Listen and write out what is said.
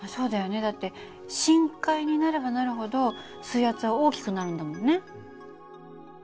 だって深海になればなるほど水圧は大きくなるんだもんね。